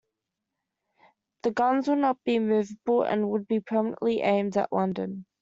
The guns would not be movable and would be permanently aimed at London.